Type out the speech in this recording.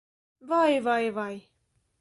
Vai, vai, vai!